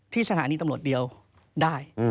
สถานีตำรวจเดียวได้